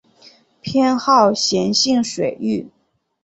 偏好咸性水域。